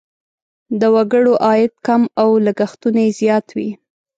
د وګړو عاید کم او لګښتونه یې زیات وي.